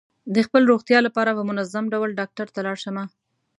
د خپل روغتیا لپاره په منظم ډول ډاکټر ته لاړ شه.